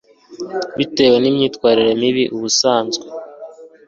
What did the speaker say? bitewe n imyitwarire mibi ubusanzwe